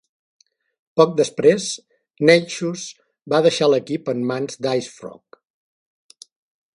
Poc temps després, Neichus va deixar l'equip en mans d'IceFrog.